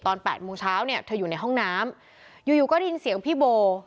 ๘โมงเช้าเนี่ยเธออยู่ในห้องน้ำอยู่อยู่ก็ได้ยินเสียงพี่โบ